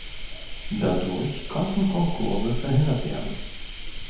Dadurch konnten Konkurse verhindert werden.